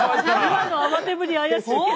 今の慌てぶり怪しいけど。